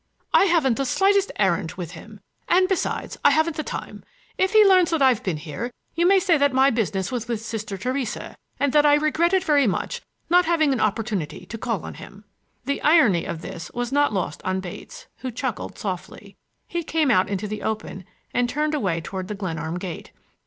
"I haven't the slightest errand with him. And besides, I haven't time. If he learns that I've been here you may say that my business was with Sister Theresa and that I regretted very much not having an opportunity to call on him." The irony of this was not lost on Bates, who chuckled softly. He came out into the open and turned away toward the Glenarm gate.